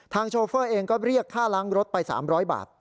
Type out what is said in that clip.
โชเฟอร์เองก็เรียกค่าล้างรถไป๓๐๐บาท